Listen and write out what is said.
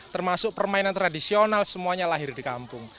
termasuk permainan tradisional semuanya lahir di kampung